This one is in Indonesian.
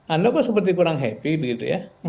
anda kok seperti kurang happy begitu ya